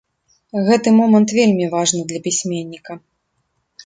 Гэты момант вельмі важны для пісьменніка.